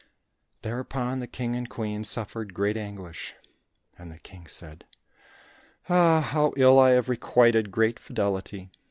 Thereupon the King and the Queen suffered great anguish, and the King said, "Ah, how ill I have requited great fidelity!"